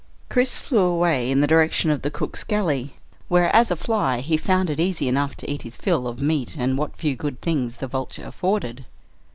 Chris flew away in the direction of the cook's galley, where as a fly he found it easy enough to eat his fill of meat and what few good things the Vulture afforded.